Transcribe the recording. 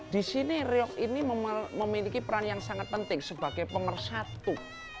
di sini riok ini memiliki peran yang sangat penting sebagai pemersatu